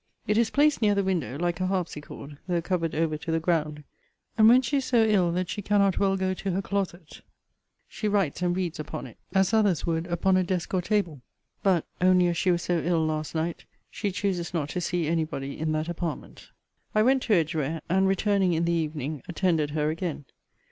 It is placed near the window, like a harpsichord, though covered over to the ground: and when she is so ill that she cannot well go to her closet, she writes and reads upon it, as others would upon a desk or table. But (only as she was so ill last night) she chooses not to see any body in that apartment. I went to Edgware; and, returning in the evening, attended her again.